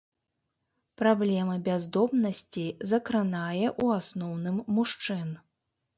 Праблема бяздомнасці закранае ў асноўным мужчын.